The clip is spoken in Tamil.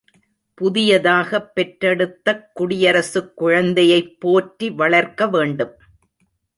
புதியதாகப் பெற்றெடுத்தக் குடியரசுக் குழந்தையைப் போற்றி வளர்க்க வேண்டும்.